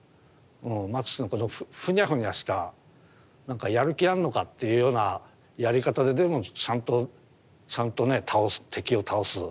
マティスのこのフニャフニャしたなんかやる気あんのかっていうようなやり方ででもちゃんとちゃんとね倒す敵を倒す。